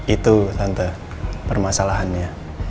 itu tante permasalahannya